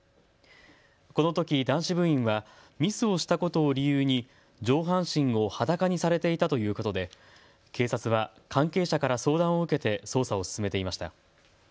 このとき男子部員はミスをしたことを理由に上半身を裸にされていたということで警察は関係者から相談を受けて捜査を進めていました。